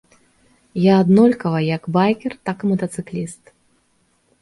Я аднолькава як байкер, так і матацыкліст.